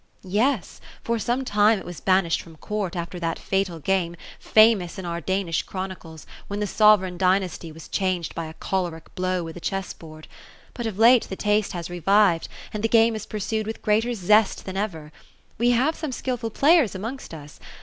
' Yes. For some time, it was banished from court, after that fatal game, famous in our Danish chronicles, when the sovereign dynasty was changed by a choleric blow with a chess board ; but of late, the taste haa revived ; and tlie game is pursued with greater sest than ever. We have some skilful players amongst us.